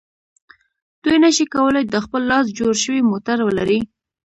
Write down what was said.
دوی نشي کولای د خپل لاس جوړ شوی موټر ولري.